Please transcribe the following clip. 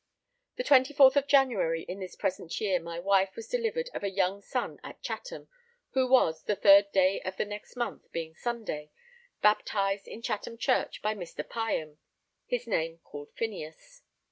The 24th of January in this present year my wife was delivered of a young son at Chatham, who was, the 3rd day of the next month, being Sunday, baptized in Chatham Church by Mr. Pyham; his name called Phineas.